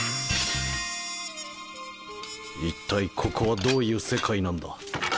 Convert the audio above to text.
一体ここはどういう世界なんだ？